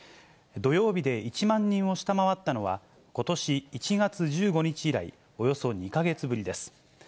土曜日で１万人を下回ったのは、ことし１月１５日以来、およそ２か月ぶりです。